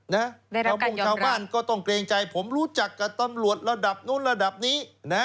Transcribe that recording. ชาวมงชาวบ้านก็ต้องเกรงใจผมรู้จักกับตำรวจระดับนู้นระดับนี้